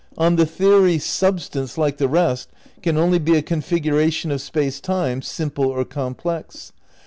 On the theory, substance, like the rest, can only be a configuration of Space Time, simple or complex.